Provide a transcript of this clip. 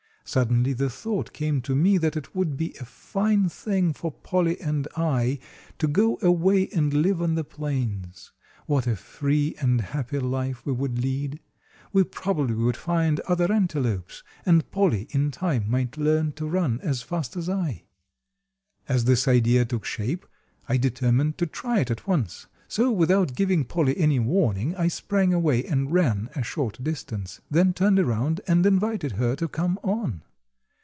Suddenly the thought came to me that it would be a fine thing for Polly and I to go away and live on the plains. What a free and happy life we would lead! We probably would find other antelopes, and Polly in time might learn to run as fast as I. As this idea took shape, I determined to try it at once. So, without giving Polly any warning, I sprang away and ran a short distance, then turned around and invited her to come on.